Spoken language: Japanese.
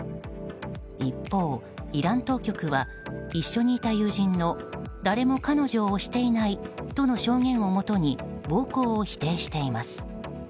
一方、イラン当局は一緒にいた友人の誰も彼女を押していないとの証言をもとに暴行を否定しています。